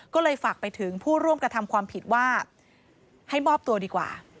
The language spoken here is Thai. ก็เลยฝากไปถึงผู้ร่วมกระทำความผิดว่าให้มอบตัวดีกว่า